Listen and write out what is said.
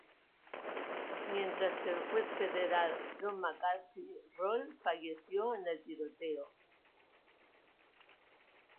Mientras que el juez federal John McCarthy Roll falleció en el tiroteo.